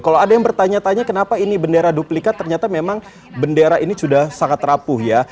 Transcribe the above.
kalau ada yang bertanya tanya kenapa ini bendera duplikat ternyata memang bendera ini sudah sangat rapuh ya